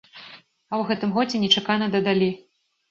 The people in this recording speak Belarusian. А ў гэтым годзе нечакана дадалі!